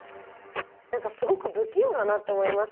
すごく不器用だなって思います